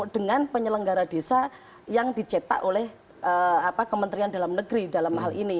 dengan penyelenggara desa yang dicetak oleh kementerian dalam negeri dalam hal ini